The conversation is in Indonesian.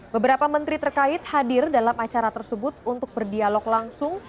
beberapa menteri terkait hadir dalam acara tersebut untuk berdialog langsung